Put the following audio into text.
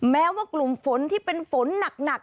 แม้ว่ากลุ่มฝนที่เป็นฝนหนัก